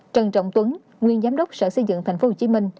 trần trọng tuấn nguyên giám đốc sở xây dựng tp hcm